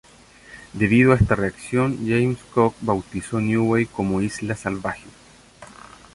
Debido a esta reacción, James Cook bautizó Niue como "Isla Salvaje".